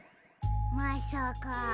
まさか。